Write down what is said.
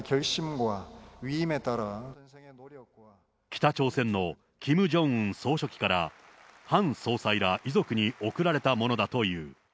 北朝鮮のキム・ジョンウン総書記から、ハン総裁ら遺族に贈られたものだという。